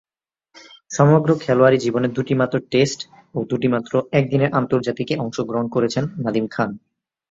সমগ্র খেলোয়াড়ী জীবনে দুইটিমাত্র টেস্ট ও দুইটিমাত্র একদিনের আন্তর্জাতিকে অংশগ্রহণ করেছেন নাদিম খান।